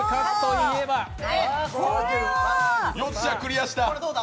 よっしゃ、クリアした！